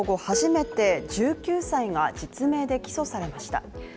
初めて１９歳が実名で起訴されました。